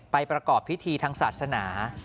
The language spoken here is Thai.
ประกอบพิธีทางศาสนา